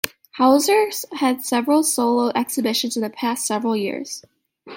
Holzer had several solo exhibitions in the past several years.